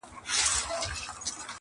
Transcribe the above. o د هوښيار سړي غبرگ غاښونه وزي!